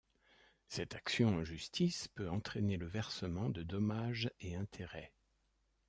Cette action en justice peut entraîner le versement de dommages et intérêts.